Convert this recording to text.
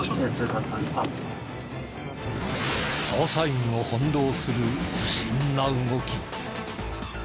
捜査員を翻弄する不審な動き。